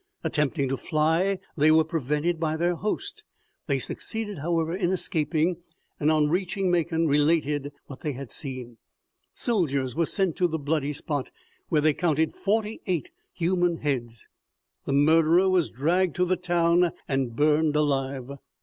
Attempting to fly, they were prevented by their host. They succeeded, however, in escaping, and on reaching Macon, related what they had seen. Soldiers were sent to the bloody spot, where they counted forty eight human heads. The murderer was dragged to the town and burned alive.